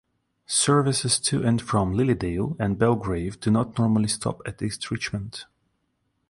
Services to and from Lilydale and Belgrave do not normally stop at East Richmond.